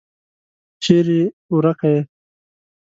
چیري ورکه یې ؟